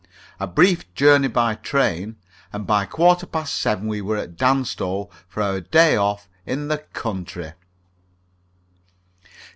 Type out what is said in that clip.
A brief journey by train, and by a quarter past seven we were at Danstow for our day off in the country.